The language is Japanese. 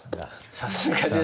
さすがですね。